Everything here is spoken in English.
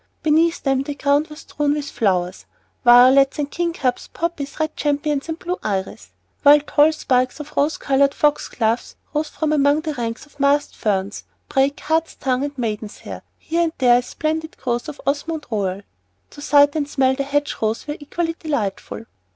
Beneath them the ground was strewn with flowers, violets, and king cups, poppies, red campions, and blue iris, while tall spikes of rose colored foxgloves rose from among ranks of massed ferns, brake, hart's tongue, and maiden's hair, with here and there a splendid growth of Osmund Royal. To sight and smell, the hedge rows were equally delightful.